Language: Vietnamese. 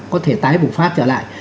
có thể tái bùng phát trở lại